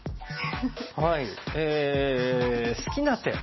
好きな手。